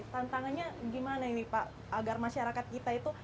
tantangannya gimana ini pak agar masyarakat kita itu